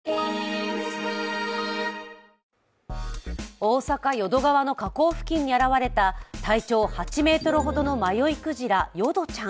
大阪・淀川の河口付近に現れた体長８ｍほどの迷いクジラ・ヨドちゃん。